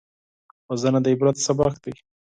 وژنه د عبرت سبق دی